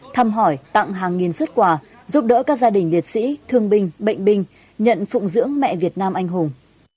thăm hỏi tặng hàng nghìn xuất quà giúp đỡ các gia đình liệt sĩ thương binh bệnh binh nhận phụng dưỡng mẹ việt nam anh hùng